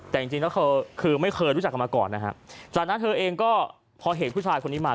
แต่จริงคือไม่เคยรู้จักกันมาก่อนจากนั้นเธอเองก็พอเห็นผู้ชายคนนี้มา